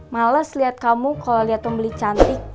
males liat kamu kalo liat pembeli cantik